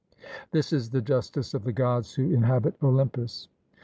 'This is the justice of the Gods who inhabit Olympus.'